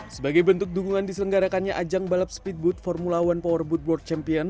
sebagai bentuk dukungan diselenggarakannya ajang balap speedboat formula one powerboat world champion